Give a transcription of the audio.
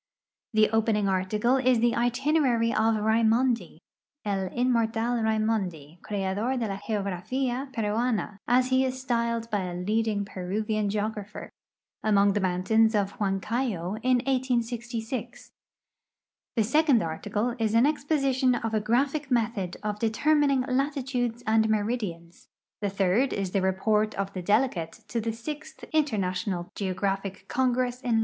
The oi)ening article is the itinerary of Raimondi —" El inmortal liaimondi, creador de la Geografia Peruana," as he is styled hy a leading Peruvian geograitlier — among the mountains of Iluancayo in I86(i ; the second article is an exposition of a graphic method of determining latitudes and meridians; the third is the rej)ort of the delegate to the sixth Interna tional Geographic Congress in I.